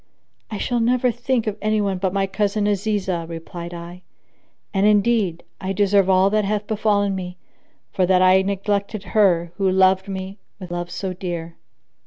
"I shall never think of any one but my cousin Azizah," replied I; "and indeed I deserve all that hath befallen me, for that I neglected her who loved me with love so dear."